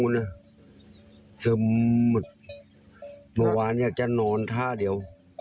ให้ไม่เฉยเลย